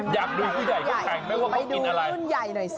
อยากดูผู้ใหญ่ก็แข่งไหมว่าเขากินอะไร